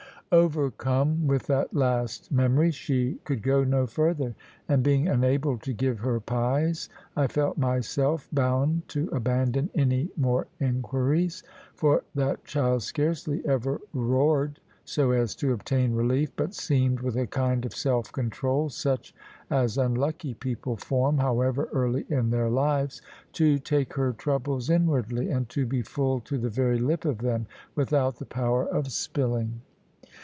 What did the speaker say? Overcome with that last memory, she could go no further; and being unable to give her pies, I felt myself bound to abandon any more inquiries. For that child scarcely ever roared, so as to obtain relief; but seemed with a kind of self control such as unlucky people form, however early in their lives to take her troubles inwardly, and to be full to the very lip of them, without the power of spilling.